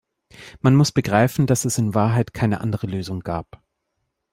Man muss begreifen, dass es in Wahrheit keine andere Lösung gab.